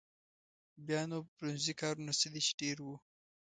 بیا نو برونزي کارونه څه دي چې ډېر وو.